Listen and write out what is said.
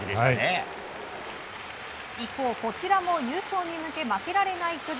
一方、こちらも優勝に向け負けられない巨人。